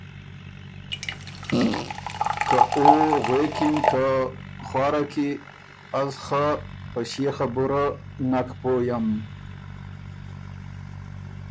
که او غوېکِن که ”خوارَکي ـــ از خه په ݭيې خبُره نک پوئم